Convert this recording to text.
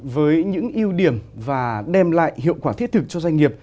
với những ưu điểm và đem lại hiệu quả thiết thực cho doanh nghiệp